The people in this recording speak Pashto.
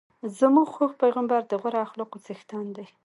زموږ خوږ پیغمبر د غوره اخلاقو څښتن دی.